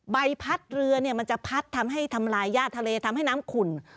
ใบพัดเรือมันจะพัดทำให้ทำลายย่าทะเลทำให้น้ำขุ่น